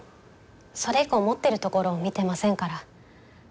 それ以降持ってるところを見てませんから。